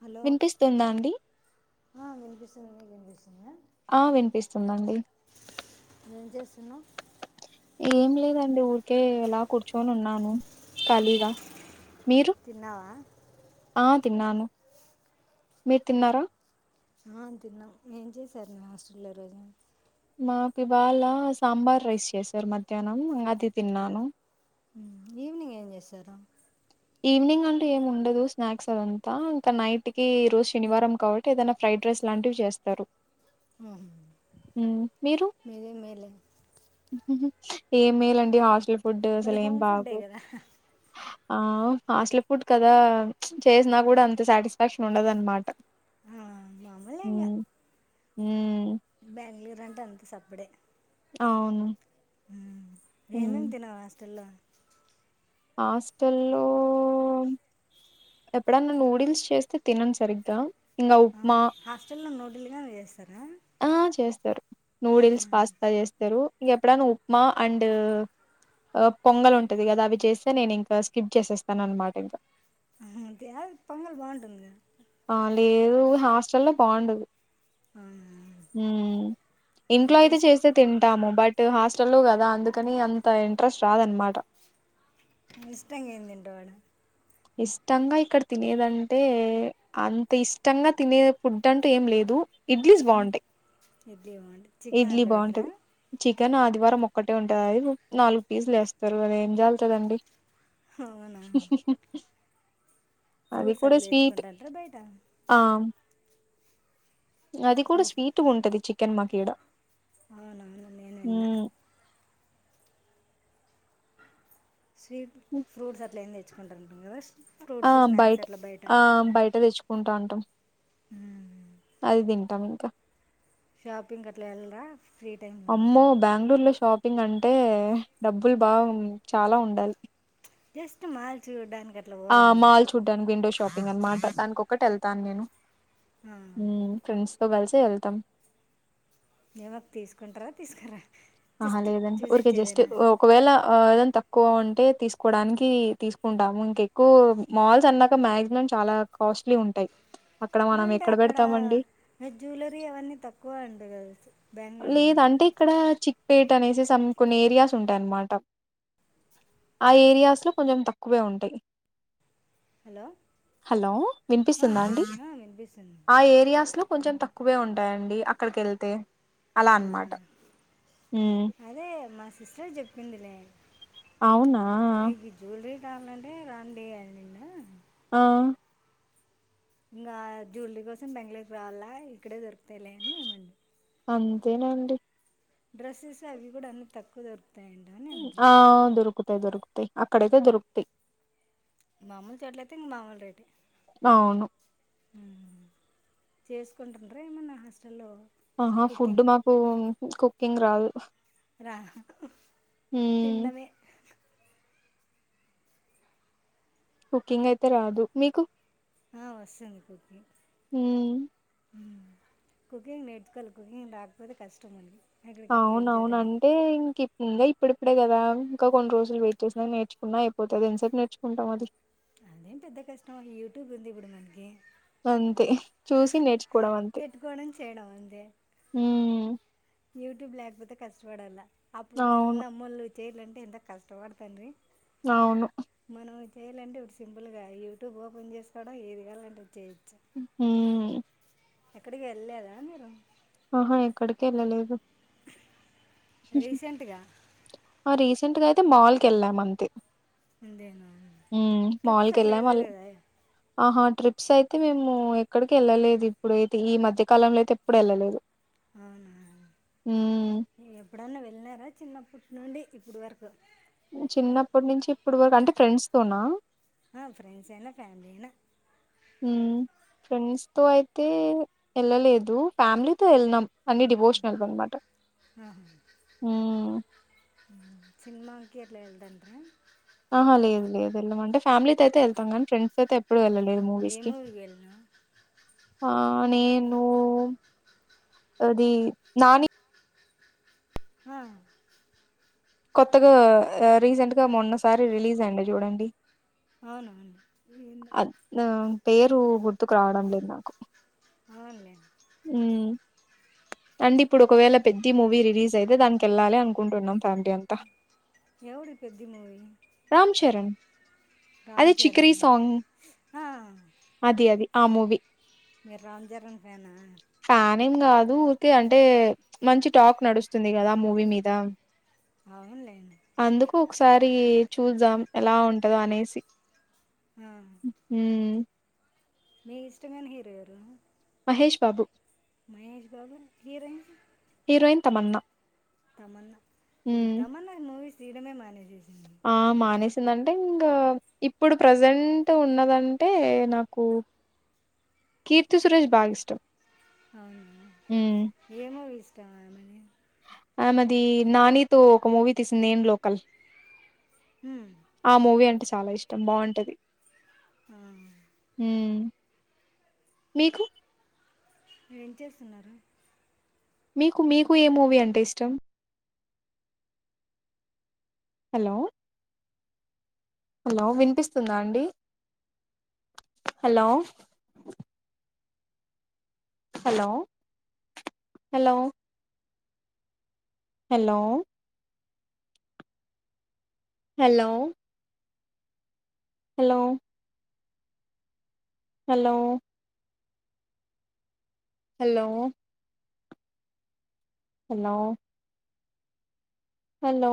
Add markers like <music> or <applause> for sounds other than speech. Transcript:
Hello వినిపిస్తుందా అండి హా వినిపిస్తుందండి మీకు వినిపిస్తుందా ఆ వినిపిస్తుందండి ఏం చేస్తున్నావ్ ఏం లేదండి ఊరికే ఎలా కూర్చోని ఉన్నాను ఖాళీగా మీరు తిన్నావా ఆ తిన్నాను మీరు తిన్నారా ఆ తిన్నాం ఏం చేశారు మీ హాస్టల్లో రోజు మాకు ఇవాళ సాంబార్ రైస్ చేశారు మధ్యాహ్నం అది తిన్నాను ఈవినింగ్ ఏం చేశారు ఈవినింగ్ అంటే ఏం ఉండదు స్నాక్స్ అదంతా ఇంకా నైట్ కి ఈ రోజు శనివారం కాబట్టి ఏదైనా ఫ్రైడ్ డ్రెస్ రైస్ లాంటివి చేస్తారు హమ్ హ్మ్. మీదే మేలే ఏమిేలండి హాస్టల్ ఫుడ్ అసలు మది ఏం హోమ్ ఫుడ్డే బాగో కదా ఆ హాస్టల్ ఫుడ్ కదా చేసినా కూడా అంత సాటిస్ఫాక్షన్ ఉండద అన్నమాట ఆ, మామూలే ఇంగ హమ్ హమ్ బెంగళూరు అంటే అంత సప్పుడే అవును హ్మ్ ఏమేమి తినవు హాస్టల్లో హాస్టల్లో ఎప్పుడన్నా నూడిల్స్ చేస్తే తినను సరిగ్గా ఇంగ ఆ ఉప్మా హాస్టల్ల్లో నోడులుగానే చేస్తారా ఆ చేస్తారు నూడిల్స్ పాస్తా చేస్తారు ఇంక ఎప్పుడనా ఉప్మా అండ్ పొంగల్ ఉంటంది కదా అవి చేసి నేను ఇంకా స్కిప్ చేసేస్తాను అన్నమాట ఇంకా అ పొంగల్ బాగుంటుంది గా ఆ లేదు హాస్టల్ల్లో బాగుండదు ఆ హ ఇంట్లో అయితే ఇష్టం చేస్తే తింటాము బట్ హాస్టల్ కదా అందుకని అంత ఇంట్రెస్ట్ రాదనమాట ఇష్టంగా ఏం తింటావడ ఇష్టంగా ఇక్కడ తినేదంటే అంత ఇష్టంగా తినే ఫుడ్ అంటూ ఏం లేదు ఇడ్లీస్ బాగుంటాయి లేవ అండి చికెన్ ఇడ్లీ అట్లా పెట్టరా బాగుంటది ఆదివారం ఒక్కటే ఉంటంది అది నాలుగు పీజులు వేస్తారు అది ఏం జగుతుందండి <inaudible> అవునా ఫ్రూట్స్ అట్లా తెచ్చుకుంటార్రా బయట ఆ అది కూడా స్వీట్ గా ఉంటది చికెన్ మాకీడ అవునవును నేను విన్నా ఉమ్ స్వీట్ ఫ్రూట్స్ అట్లా ఏం తెచ్చుకుంటారంటు కదా ఆ ఫ్రూట్స్ స్నాక్స్ బయట అట్లా ఆ బయట తెచ్చుకుంటాటాం అది తింటాం ఇంకా షాపింగ్ అట్లా వెళరా ఫ్రీ టైమ్ లో అమ్మో బెంగళూరు లో షాపింగ్ అంటే డబ్బులు బా చాలా ఉండాలి జస్ట్ మాల్ చూడ్డానికి ఆ మాల్ చూడ్డానికి విండో షాపింగ్ అని మాట దానికి ఒకటె వెళ్తాను నేను హమ్ ఫ్రెండ్స్ తో కలిసే వెళ్తాం ఏమైనా తీసుకుంటారా తీసుకోరా ఆహా లేదంట ఊరికే జస్ట్ ఒకవేళ అదంత ఎక్కువ ఉంటే తీసుకోవడానికి తీసుకుంటాము ఇంకెక్కువ మాల్స్ అన్నాక మాక్సిమం చాలా కాస్ట్లీ ఉంటాయి అక్కడ మనం అంటే ఎక్కడ అక్కడ పెడతామండి జ్యువలరీ అవన్నీ తక్కువ అంటా కదా బెంగళూరులో లేద అంటే ఇక్కడ చిక్పేట్ అనేసి సం కొన్ని ఏరియాస్ ఉంటాయన్నమాట ఆ ఏరియాస్ లో కొంచెం తక్కువే ఉంటాయి హలో హలో వినిపిస్తుందా అండి చెప్పు వినిపిస్తుంది ఆ ఏరియాస్ లో కొంచెం తక్కువే ఉంటాయండి అక్కడికేళ్తే అవునా ఉమ్ అదే మా సిస్టర్ చెప్పిందిలే అవునా మీకు జ్యువెలరీ కావాలంటే రండి అనిన ఆ ఇంకా జ్యూవలరీ కోసం బెంగళూరుకి రావాలా ఇక్కడే దొరుకుతాయిలే అని మేమన్నాం అంతేలెండి డ్రెస్సెస్ అవి కూడా అన్ని తక్కువ దొరుకుతాయి అని అంటాడీ ఆ దొరుకుతాయి దొరుకుతాయి అక్కడయితే దొరుకుతాయి మామ్మూలు చోట్లయితే మామ్మూలు రేటె అవును చేసుకుంటున్నారా ఏమన్నా హాస్టల్లో ఆహా ఫుడ్ కుకింగ్ మాకు కుకింగ్ రాదు రాదా హ్మ్ తిండమే కుకింగ్ అయితే రాదు మీకు ఆ వస్తుంది కుకింగ్ హ్మ్ ఆమ్ కుకింగ్ నేర్చుకోవాలి కుకింగ్ రాకపోతే కష్టం అండి అవునవున అంటే ఇంక ఇంగ ఇప్పుడి ఇప్పుడే కదా ఇంకా కొన్ని రోజులు వెయిట్ చేసినా నేర్చుకున్నా అయిపోతది ఎంతసేపు నేర్చుకుంటాం అది అదేం పెద్ద కష్టం అండి యూట్యూబ్ ఉంది ఇప్పుడు మనకి అంతే చూసి నేర్చుకోవడం అంతే పెట్టుకోవడం చేయడం అంతే హమ్ యూట్యూబ్ లేకపోతే కష్టపడాల అప్పుడు అవును కాలంలో అమ్మలు చేయాలంటే ఎంత కష్టపడతాండే అవును చేయాలంటే ఇప్పుడు సింపుల్గా యూట్యూబ్ ఓపెన్ చేసుకోవడం ఏది కావాలంటే అది చేయటం ఉహుమ్ ఎక్కడికి వెళ్లలేదా మీరు ఆహా ఎక్కడికి ఎళ్ళలేదు రీసెంట్ గా ఆ రీసెంట్ గా అయితే మాల్ కెళ్ళాం అంతే అదేనా హ్మ్ మాల్ ట్రిప్స్ అట్లా కెళ్ళాం అల్ వెళ్ళలేదా ఆహా ట్రిప్స్ అయితే మేము ఎక్కడికి వెళ్ళలేదు ఇప్పుడుఅయితే ఈ మధ్య కాలంలో అయితే ఎప్పుడు వెళ్ళలేదు అవునా హ్మ్ ఎప్పుడన్నా వెళ్ళనారా చిన్నప్పుడు నుండి ఇప్పుడు వరకు చిన్నప్పటి నుంచి ఇప్పుడు వరకు అంటే ఫ్రెండ్స్ తోనా ఆ ఫ్రెండ్స్ అయినా ఫ్యామిలీ అయినా ఉమ్ ఫ్రెండ్స్ తో అయితే వెళ్ళలేదు ఫ్యామిలీతో వెళనాం అన్ని డివోషనల్ బనమాట ఆహా. ఉ కేరళా వెల్దంట ఆహా లేదు లేదు వెళ్ళామంటే ఫ్యామిలీతో అయితే వెళ్తాం కానీ ఫ్రెండ్స్ అయితే ఎప్పుడు వెళ్ళలేదు మూవీస్ ఏ కి మూవీకి వెళ్ళినా ఆ నేను అది నాని హ కొత్తగా రీసెంట్ గా మొన్నసారి రిలీజ్ అండి చూడండి అవునువును అద్ ఆహ్, పేరు గుర్తుకు రావడం లేదు నాకు అవునులే ఉ అండి ఇప్పుడు ఒకవేళ పెద్ది మూవీ రిలీజ్ అయితే దానికి వెళ్ళాలి అనుకుంటున్నాం ఫ్యామిలీ అంతా ఎవడు పెద్ది మూవి రామ్ చరణ్ అదే చికరి సాంగ్ ఆ, అది అది ఆ మూవి మీరు రామ్ చరణ్ ఫ్యాన స ఫ్యానే ఏం కాదు ఊరికే అంటే మంచి టాక్ నడుస్తుంది కదా మూవీ మీద అవునులెండి అందుకు ఒకసారి చూద్దాం ఎలా ఉంటదో అనేసి ఆ, మీ ఇష్టమైన హీరో ఎవరు మహేష్ బాబు మహేష్ బాబు చిరం హీరోయిన్ తమన్నా తమన్నా ఇప్పుడు హ్మ్ తమన్నా మూవిస్ తీడమే మనేజ్ ఆ మానేసి చ్చిందంటే ఇంగ ఇప్పుడు ప్రజెంట్ ఉన్నదంటే నాకు కీర్తి సురేష్ బాగ ఇష్టం అవును హ్మ్ ఏమోవి ఇష్టం అమని ఆమది నాని తో ఒక మూవీ తీసింది నేను లోకల్ ఉమ్, ఆ మూవీ అంటే చాలా ఇష్టం బాగుంటది ఆ మీకు ఏం చేస్తున్నారు మీకు మీకు ఏ మూవీ అంటే ఇష్టం హలో హలో వినిపిస్తుందా అండి hello hello hello hello hello hello hello hello hello hello